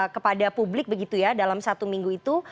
kepada publik begitu ya dalam satu minggu itu